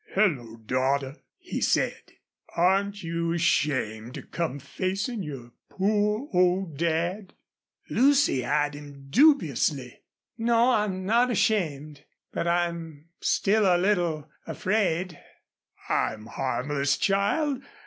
"Hello, daughter!" he said. "Aren't you ashamed to come facin' your poor old dad?" Lucy eyed him dubiously. "No, I'm not ashamed. But I'm still a little afraid." "I'm harmless, child.